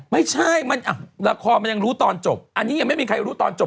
ไม่ใช่มันละครมันยังรู้ตอนจบอันนี้ยังไม่มีใครรู้ตอนจบ